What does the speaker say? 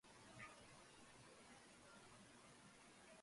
Se accede al mismo por la llamada Av.